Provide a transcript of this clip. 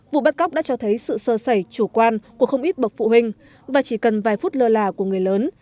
vụ bắt cóc đã cho thấy sự sơ sẩy chủ quan của không ít bậc phụ huynh và chỉ cần vài phút lơ là của người lớn